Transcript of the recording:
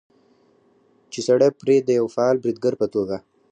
چې سړى پرې د يوه فعال بريدګر په توګه